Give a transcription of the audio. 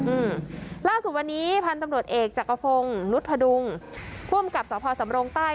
อืมล่าสุดวันนี้พันธุ์ตำรวจเอกจักรพงศ์นุษพดุงผู้อำกับสพสำรงใต้